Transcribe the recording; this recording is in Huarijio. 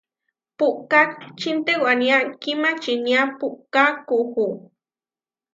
Puʼká čintewaniá kímačinía puʼkákuú.